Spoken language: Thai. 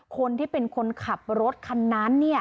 คนที่เป็นคนขับรถคันนั้น